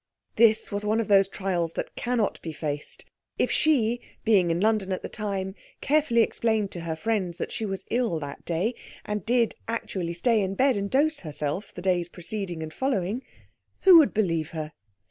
This was one of those trials that cannot be faced. If she, being in London at the time, carefully explained to her friends that she was ill that day, and did actually stay in bed and dose herself the days preceding and following, who would believe her?